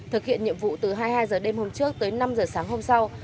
thực hiện nhiệm vụ từ hai mươi hai h đêm hôm trước tới năm h sáng hôm sau